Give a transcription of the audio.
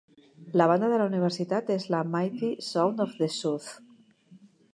La banda de la universitat és la Mighty Sound of the South.